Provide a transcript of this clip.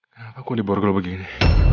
kenapa aku diborgel begini